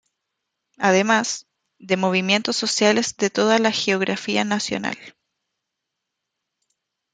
Además, de Movimientos Sociales de toda la geografía nacional.